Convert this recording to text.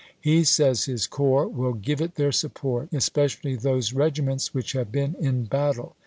He says his corps will give it their support, especially those regiments which have been in battle.